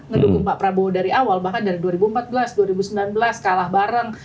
ngedukung pak prabowo dari awal bahkan dari dua ribu empat belas dua ribu sembilan belas kalah bareng